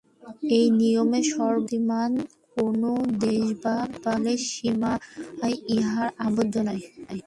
এই নিয়ম সর্বশক্তিমান্, কোন দেশ বা কালের সীমায় ইহা আবদ্ধ নয়।